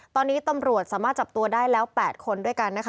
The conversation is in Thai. ตอนนี้ตำรวจสามารถจับตัวได้แล้ว๘คนด้วยกันนะคะ